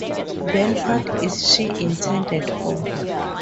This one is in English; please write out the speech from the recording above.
Then what "is" she intended for?